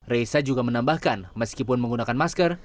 reza juga menambahkan meskipun menggunakan masker